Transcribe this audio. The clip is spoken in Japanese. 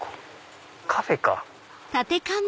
カフェか。